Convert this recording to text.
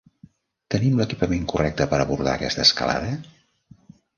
Tenim l'equipament correcte per abordar aquesta escalada?